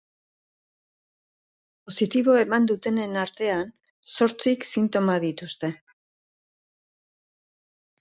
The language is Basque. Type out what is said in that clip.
Positiboa eman dutenen artean, zortzik sintomak dituzte.